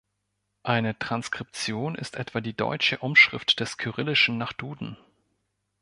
Eine Transkription ist etwa die deutsche Umschrift des Kyrillischen nach Duden.